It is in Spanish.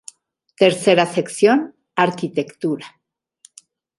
Tercera sección: Arquitectura.